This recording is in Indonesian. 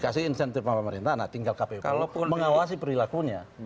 kasih insentif sama pemerintah nah tinggal kpu mengawasi perilakunya